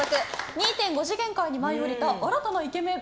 ２．５次元界に舞い降りた新たなイケメン！